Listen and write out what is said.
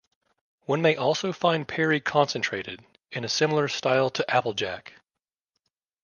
One may also find perry concentrated, in a similar style to applejack.